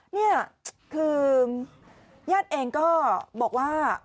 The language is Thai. นี่คือญาติเองก็บอกว่า